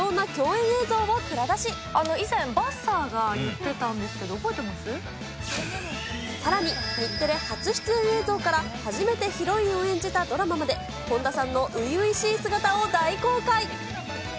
以前、ばっさーが言ってたんさらに、日テレ初出演映像から、初めてヒロインを演じたドラマまで、本田さんの初々しい姿を大公開。